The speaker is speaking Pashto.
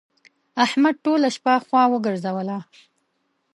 احمد ټوله شپه خوا وګرځوله.